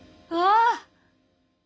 ああ！